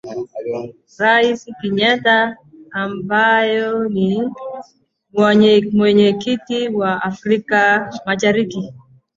Rais Kenyatta ambaye ni Mwenyekiti wa Afrika Mashariki